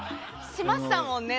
しましたもんね。